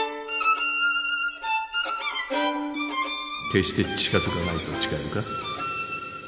決して近づかないと誓えるか？